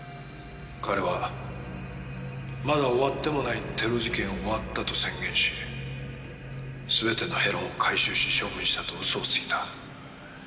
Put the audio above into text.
彼はまだ終わってもないテロ事件を終わったと宣言し全てのヘロンを回収し処分したとうそをついた。